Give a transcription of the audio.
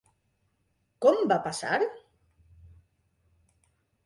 Com va passar?